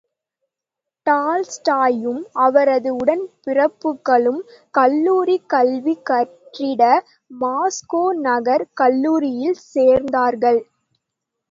டால்ஸ்டாயும், அவரது உடன் பிறப்புக்களும் கல்லூரிக் கல்வி கற்றிட மாஸ்கோ நகர் கல்லூரியில் சேர்ந்தார்கள்.